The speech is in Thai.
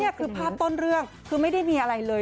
นี่คือภาพต้นเรื่องคือไม่ได้มีอะไรเลย